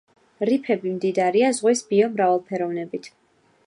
რიფები მდიდარია ზღვის ბიომრავალფეროვნებით.